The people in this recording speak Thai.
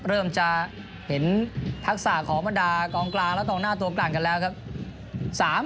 เริ่มจะเห็นทักษะขอมดากลางกลางแล้วตรงหน้าตัวกลั่นกันแล้วครับ